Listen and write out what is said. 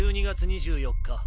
１２月２４日